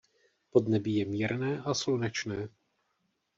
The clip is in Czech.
Podnebí je mírné a slunečné.